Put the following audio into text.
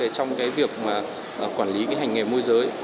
trong cái việc quản lý cái hành nghề môi giới